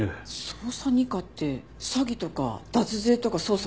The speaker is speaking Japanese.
捜査二課って詐欺とか脱税とか捜査する部署。